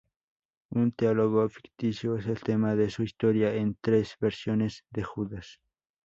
Un teólogo ficticio es el tema de su historia en "Tres versiones de Judas".